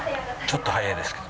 ちょっと早いですね。